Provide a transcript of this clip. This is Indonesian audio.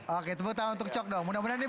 oke terima kasih untuk cok mudah mudahan ini